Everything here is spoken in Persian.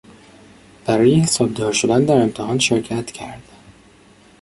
برای حسابدار شدن در امتحان شرکت کرد.